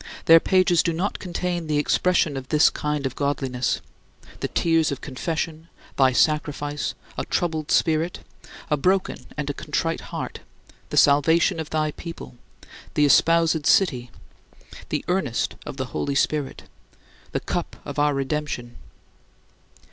Their pages do not contain the expression of this kind of godliness the tears of confession, thy sacrifice, a troubled spirit, a broken and a contrite heart, the salvation of thy people, the espoused City, the earnest of the Holy Spirit, the cup of our redemption.